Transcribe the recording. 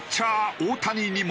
大谷にも。